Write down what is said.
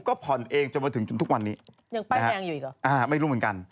คือถึงรู้ว่าเป็นเรา